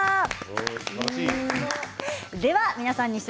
すばらしい。